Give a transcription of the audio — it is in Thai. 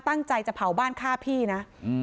ตั้งใจจะเผาบ้านฆ่าพี่นะ